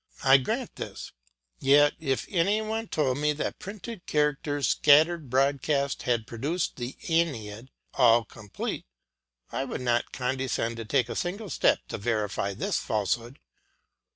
I grant this; yet if any one told me that printed characters scattered broadcast had produced the Aeneid all complete, I would not condescend to take a single step to verify this falsehood.